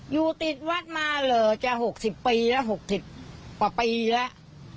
อยู่ติดวัดมาหรือจะหกสิบปีแล้วหกสิบปีแล้ว